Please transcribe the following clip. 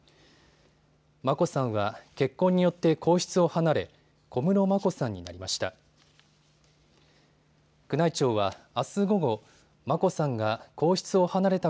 眞子さんは結婚によって皇室を離れ小室眞子さんになりました。